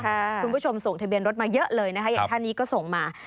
คุณผู้ชมส่งทะเบียนรถมาเยอะเลยนะคะอย่างท่านนี้ก็ส่งมา